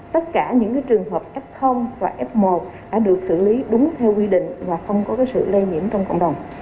tất cả những trường hợp f và f một đã được xử lý đúng theo quy định và không có sự lây nhiễm trong cộng đồng